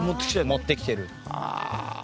持ってきてる。